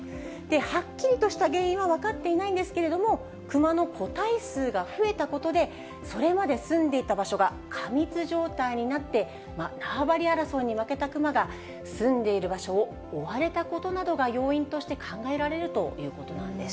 はっきりとした原因は分かっていないんですけれども、クマの個体数が増えたことで、それまで住んでいた場所が過密状態になって、縄張り争いに負けたクマが、住んでいる場所を追われたことなどが要因として考えられるということなんです。